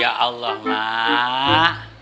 ya allah mak